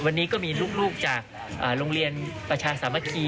วันนี้ก็มีลูกจากโรงเรียนประชาสามัคคี